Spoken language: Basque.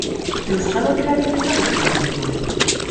Euskal operarik ezagutzen al duzue?